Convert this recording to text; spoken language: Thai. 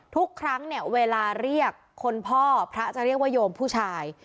ทุกครั้งเนี่ยเวลาเรียกคนพ่อพระจะเรียกว่าโยมผู้ชาย